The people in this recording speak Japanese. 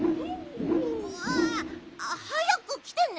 うわぁはやくきてね。